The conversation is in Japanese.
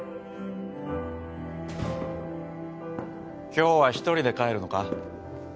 今日は一人で帰るのか？